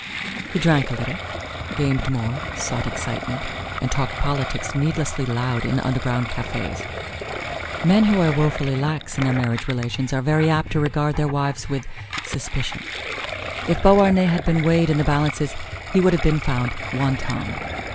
He drank a little, gamed more, sought excitement, and talked politics needlessly loud in underground cafes. Men who are woefully lax in their marriage relations are very apt to regard their wives with suspicion. If Beauharnais had been weighed in the balances he would have been found wanton.